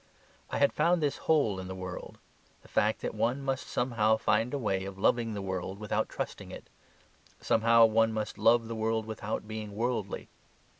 I had found this hole in the world: the fact that one must somehow find a way of loving the world without trusting it; somehow one must love the world without being worldly.